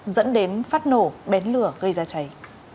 dẫn đến phát nổ bén lửa gây ra cháy